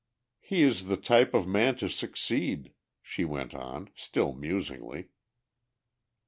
"He is the type of man to succeed," she went on, still musingly.